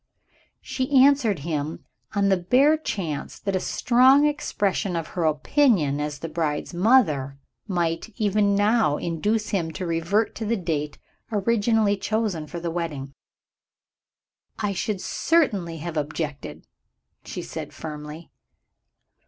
She answered him, on the bare chance that a strong expression of her opinion, as the bride's mother, might, even now, induce him to revert to the date originally chosen for the wedding. "I should certainly have objected," she said firmly.